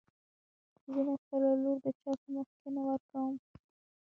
زه مې خپله لور د چا په مخکې نه ورکم.